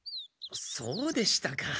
そうでしたか。